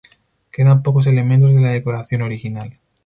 Quedan pocos elementos de la decoración original.